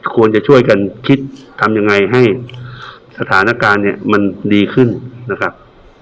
ควรจะช่วยกันคิดทำยังไงให้สถานการณ์เนี่ยมันดีขึ้นนะครับ